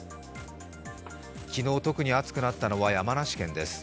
昨日特に暑くなったのは山梨県です。